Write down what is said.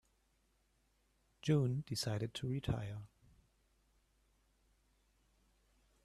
June decided to retire.